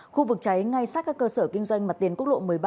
khu vực cháy ngay sát các cơ sở kinh doanh mặt tiền quốc lộ một mươi ba